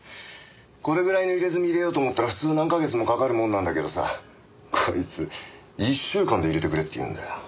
これぐらいの入れ墨入れようと思ったら普通何カ月もかかるもんなんだけどさこいつ１週間で入れてくれって言うんだよ。